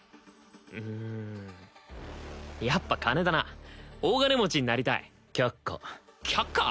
うんやっぱ金だな大金持ちになりたい却下却下！？